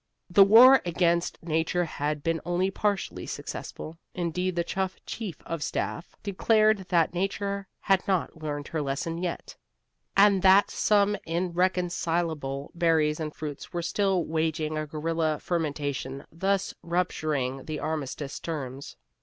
The war against Nature had been only partially successful: indeed the chuff chief of staff declared that Nature had not learned her lesson yet, and that some irreconcilable berries and fruits were still waging a guerilla fermentation, thus rupturing the armistice terms.